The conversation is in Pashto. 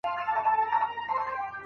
د انلاين کورس ټول مواد وګوره.